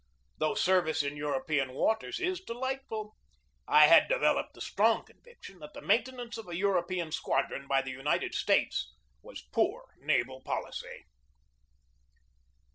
Though service in European waters is delightful, I had developed the strong conviction that the maintenance of a Euro pean squadron by the United States was poor naval policy.